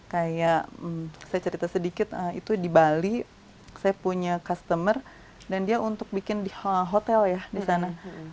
kayak saya cerita sedikit itu di bali saya punya customer dan dia untuk bikin di hotel ya di sana